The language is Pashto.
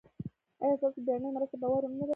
ایا ستاسو بیړنۍ مرسته به ور نه رسیږي؟